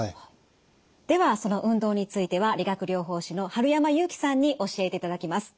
ではその運動については理学療法士の春山祐樹さんに教えていただきます。